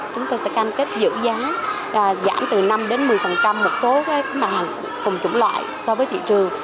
chúng tôi sẽ cam kết giữ giá giảm từ năm một mươi một số hàng cùng chủng loại so với thị trường